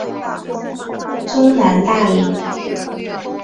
中南大羚。